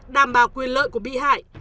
đảm bảo quyền lợi của bị hại